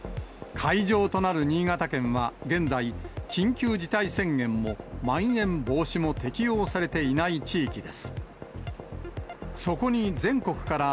会場となる新潟県は現在、緊急事態宣言もまん延防止も適用されていない地域です。